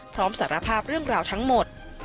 สารภาพเรื่องราวทั้งหมด